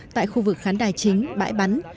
tại khu vực khán đài chính bãi bắn